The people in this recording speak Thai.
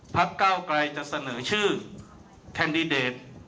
พักเก้ากลายจะเสนอชื่อแคนดิเดต